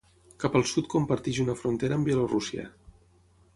Cap al sud comparteix una frontera amb Bielorússia.